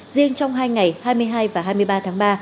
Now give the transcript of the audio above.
riêng trong hai ngày hai mươi hai và hai mươi ba tháng ba